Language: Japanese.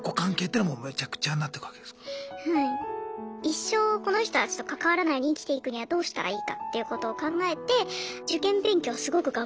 一生この人たちと関わらないで生きていくにはどうしたらいいかっていうことを考えて受験勉強すごく頑張るようになりました。